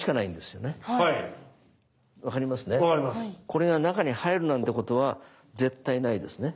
これが中に入るなんてことは絶対ないですね？